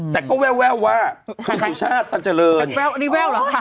แต่ก็แววว่าคุณสุชาติตันเจริญแววอันนี้แว่วเหรอค่ะ